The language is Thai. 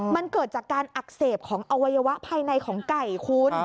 มันเกิดจากการอักเสบของอวัยวะภายในของไก่คุณ